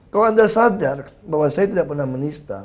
kalau anda sadar bahwa saya tidak pernah menista